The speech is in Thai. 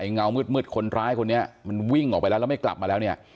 เงามืดคนร้ายคนนี้มันวิ่งออกไปแล้วแล้วไม่กลับมาแล้วเนี่ย